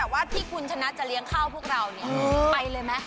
ว่าที่คุณชนะจะเลี้ยงข้าวพวกเราเนี่ยไปเลยไหม